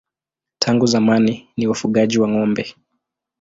Tangu zamani ni wafugaji wa ng'ombe.